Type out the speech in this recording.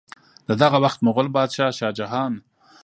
د دغه وخت مغل بادشاه شاه جهان